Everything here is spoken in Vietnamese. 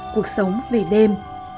cuộc sống về đêm